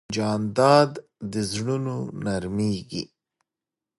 جانداد د زړونو نرمیږي.